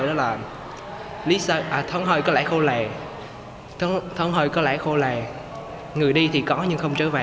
lý sơn là thống hồi có lễ khao lề thống hồi có lễ khao lề người đi thì có nhưng không trở về